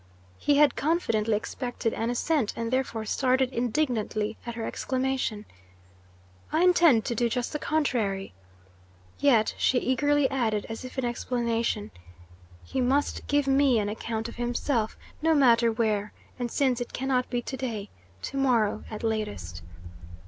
He had confidently expected an assent, and therefore started indignantly at her exclamation: "I intend to do just the contrary." Yet she eagerly added, as if in explanation: "He must give me an account of himself, no matter where, and, since it can not be to day, to morrow at latest."